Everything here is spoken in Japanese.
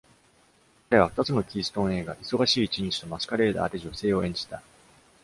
彼は二つのキーストーン映画「忙しい一日」と「マスカレーダー」で女性を演じた。